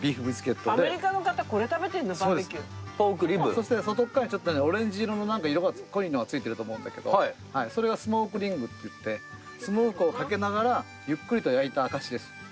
そして外側にオレンジ色の色の濃いのがついてると思うんだけどそれがスモークリングっていってスモークをかけながらゆっくりと焼いた証しです。